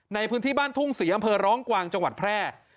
ในพื้นที่บ้านทุ่งศรีอำเภอร้องกวางจังหวัดแพร่